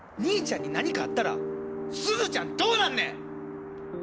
兄ちゃんに何かあったらすずちゃんどうなんねん！